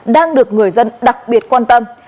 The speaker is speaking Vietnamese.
đang được người dân đặc biệt quan tâm